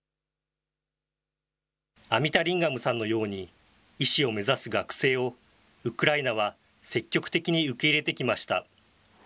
アミタリンガムさんのように、医師を目指す学生をウクライナは積極的に受け入れてきました。